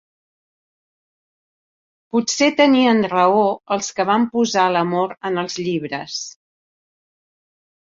Potser tenien raó els que van posar l'amor en els llibres.